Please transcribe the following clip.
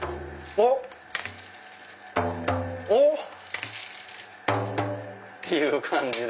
おっ！っていう感じで。